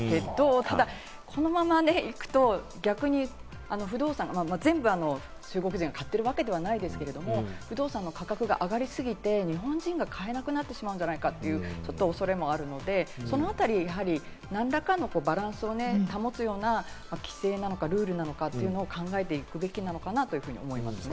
ただこのままいくと逆に不動産が全部中国人が買ってるわけではないですけれども、不動産の価格が上がりすぎて日本人が買えなくなってしまうんじゃないかという恐れもあるので、そのあたり、何らかのバランスを保つような規制なのかルールなのか、そういうものを考えていくべきなのかなと思いますね。